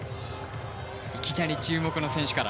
いきなり注目の選手から。